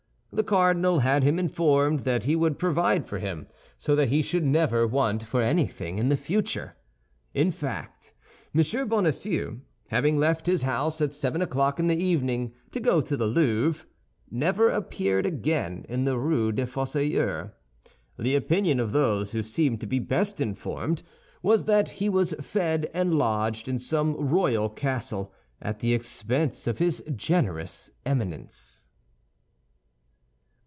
The cardinal had him informed that he would provide for him so that he should never want for anything in future. In fact, M. Bonacieux, having left his house at seven o'clock in the evening to go to the Louvre, never appeared again in the Rue des Fossoyeurs; the opinion of those who seemed to be best informed was that he was fed and lodged in some royal castle, at the expense of his generous Eminence.